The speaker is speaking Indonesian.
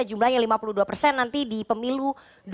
jumlahnya lima puluh dua nanti di pemilu